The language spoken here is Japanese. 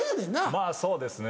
まぁそうですね。